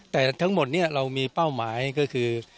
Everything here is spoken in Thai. แต่ทั้งหมดนี้เรามีเป้าหมายก็คือ